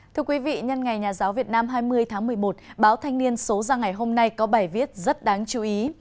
thưa quý vị nhân ngày nhà giáo việt nam hai mươi tháng một mươi một báo thanh niên số ra ngày hôm nay có bài viết rất đáng chú ý